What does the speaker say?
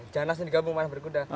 jangan langsung digabung manah berkuda